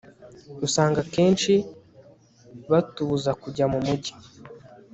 usanga kenshi batubuza kujya mumujyi